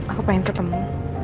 aku pengen ketemu